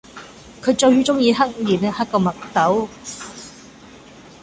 佢最鍾意黑面，黑過墨斗